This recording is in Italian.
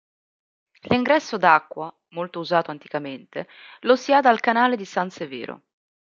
L'ingresso d'acqua, molto usato anticamente, lo si ha dal canale di San Severo.